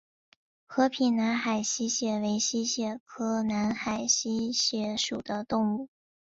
和平南海溪蟹为溪蟹科南海溪蟹属的动物。